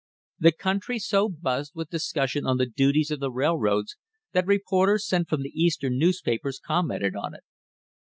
The country so buzzed with discussion on the duties of the railroads that reporters sent from the Eastern news papers commented on it.